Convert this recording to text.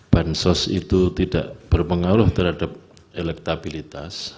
bansos itu tidak berpengaruh terhadap elektabilitas